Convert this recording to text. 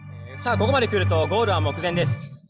ここまで来るとゴールは目前です。